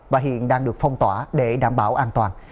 và hiện đang được phong tỏa để đảm bảo an toàn